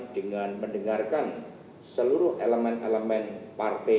dengan mendengarkan seluruh elemen elemen partai